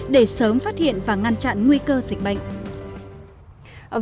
để sớm phát hiện và ngăn chặn nguy cơ dịch bệnh